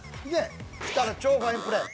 きたら超ファインプレー。